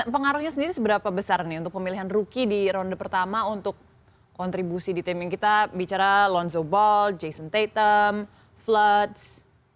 pengaruhnya sendiri seberapa besar nih untuk pemilihan rookie di ronde pertama untuk kontribusi di tim yang kita bicara lonzo ball jason tatum floods